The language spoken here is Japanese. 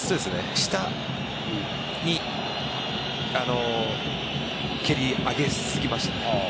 下に蹴り上げすぎましたね。